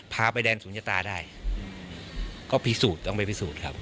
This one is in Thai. พาไปแดนศูนยตาได้ก็พิสูจน์ต้องไปพิสูจน์ครับ